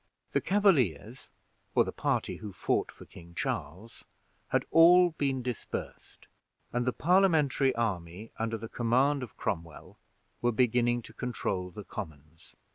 The Cavaliers, or the party who fought for King Charles, had all been dispersed and the Parliamentary army under the command of Cromwell were beginning to control the Commons.